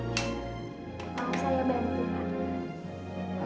maaf saya bantu pak